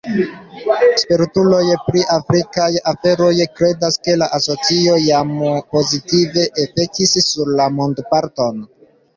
Spertuloj pri afrikaj aferoj kredas, ke la asocio jam pozitive efikis sur la mondparton.